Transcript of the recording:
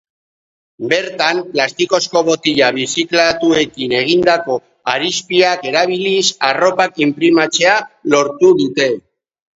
Bertan, plastikozko botila birziklatuekin egindako harizpiak erabiliz, arropak inprimatzea lortu dute.